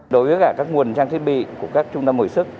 đối với cả các nguồn trang thiết bị của các trung tâm hồi sức